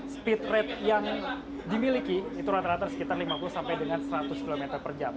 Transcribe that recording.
speed rate yang dimiliki itu rata rata sekitar lima puluh sampai dengan seratus km per jam